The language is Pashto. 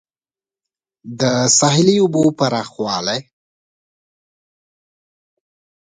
د ساحلي اوبو پراخوالی